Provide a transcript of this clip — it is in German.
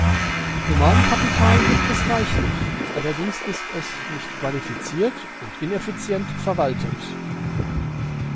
Humankapital gibt es reichlich, allerdings ist es nicht qualifiziert und ineffizient verwaltet.